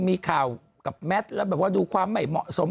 มีข่าวกับแมทแล้วดูความใหม่เหมาะสม